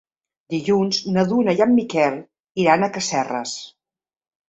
Dilluns na Duna i en Miquel iran a Casserres.